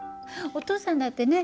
お父さんだってね